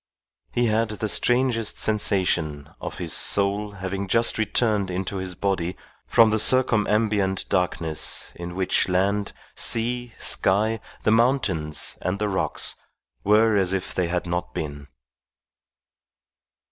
He had the strangest sensation of his soul having just returned into his body from the circumambient darkness in which land, sea, sky, the mountains, and the rocks were as if they had not been.